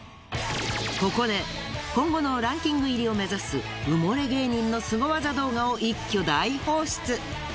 ここで今後のランキング入りを目指す埋もれ芸人のスゴ技動画を一挙大放出。